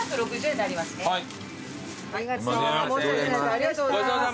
ありがとうございます。